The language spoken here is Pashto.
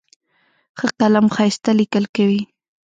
ښه قلم ښایسته لیکل کوي.